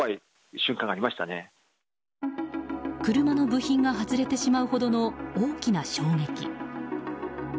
車の部品が外れてしまうほどの大きな衝撃。